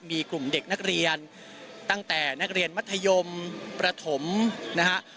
มีกลุ่มเด็กนักเรียนตั้งแต่นักเรียนมัธยมประถมนะฮะ